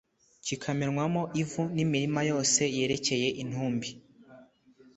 kikamenwamo ivu n’imirima yose yerekeye intumbi